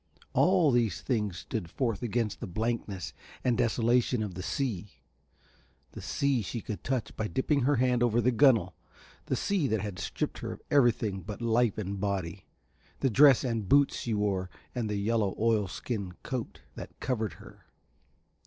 All these things stood forth against the blankness and desolation of the sea, the sea she could touch by dipping her hand over the gunnel, the sea that had stripped her of everything but life and body, the dress and boots she wore and the yellow oilskin coat that covered her.